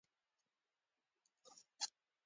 سهار د آرامۍ نمجنه لمبه ده.